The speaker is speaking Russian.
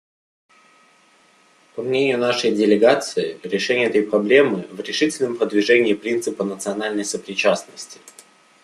По мнению нашей делегации, решение этой проблемы — в решительном продвижении принципа национальной сопричастности.